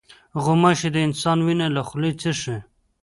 غوماشې د انسان وینه له خولې څښي.